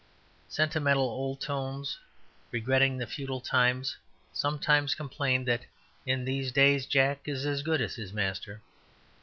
Sentimental old Tones, regretting the feudal times, sometimes complain that in these days Jack is as good as his master.